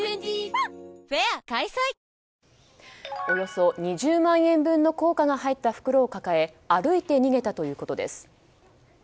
およそ２０万円分の硬貨が入った袋を抱え歩いて逃げたということです。